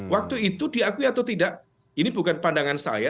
waktu itu diakui atau tidak ini bukan pandangan saya